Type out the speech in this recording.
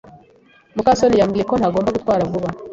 muka soni yambwiye ko ntagomba gutwara vuba.